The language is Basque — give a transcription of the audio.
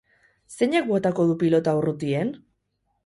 Zeinek botako du pilota urrutien?